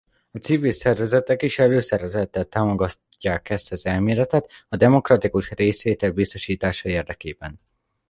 A civil szervezetek is előszeretettel támogatják ezt az elméletet a demokratikus részvétel biztosítása érdekében.